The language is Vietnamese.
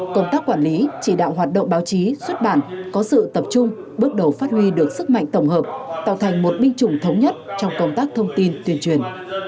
công tác quản lý chỉ đạo hoạt động báo chí xuất bản có sự tập trung bước đầu phát huy được sức mạnh tổng hợp tạo thành một binh chủng thống nhất trong công tác thông tin tuyên truyền